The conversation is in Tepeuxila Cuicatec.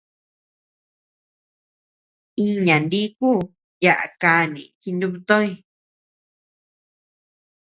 Iña niku yaʼa kanii jinubtoñ.